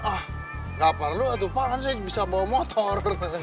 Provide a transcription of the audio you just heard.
ah gaparlah tuh pak kan saya bisa bawa motor